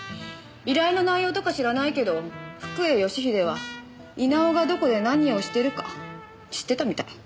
依頼の内容とか知らないけど福栄義英は稲尾がどこで何をしてるか知ってたみたい。